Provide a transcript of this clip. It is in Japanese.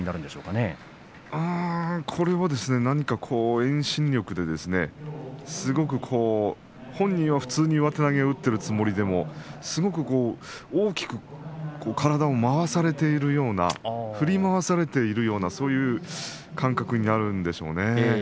これは何か、遠心力ですごく、本人は普通に上手投げを打っている気持ちでもすごく大きく体を振り回されているようなそういう感覚になるんでしょうね。